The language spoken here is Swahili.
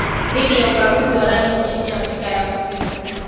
Dhidi ya ubaguzi wa rangi nchini Afrika ya Kusini